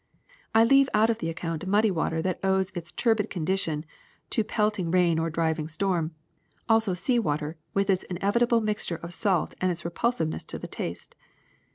I leave out of the account muddy water that owes its turbid condition to pelt ing rain or driving storm, also sea water with its in evitable mixture of salt and its repulsiveness to the taste.